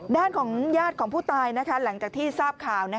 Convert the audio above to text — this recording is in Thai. ด้านของญาติของผู้ตายหลังจากที่ทราบข่าว